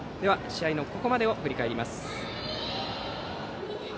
試合のここまでを振り返ります。